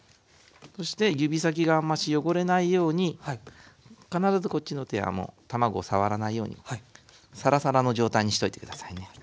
そして指先があんまし汚れないように必ずこっちの手はもう卵を触らないようにサラサラの状態にしといて下さいね。